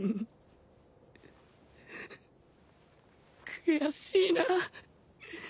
悔しいなぁ。